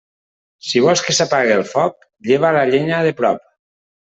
Si vols que s'apague el foc, lleva la llenya de prop.